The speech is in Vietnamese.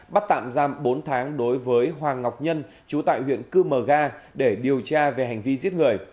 bắt tạm giam bốn tháng đối với hoàng ngọc nhân chú tại huyện cư mờ ga để điều tra về hành vi giết người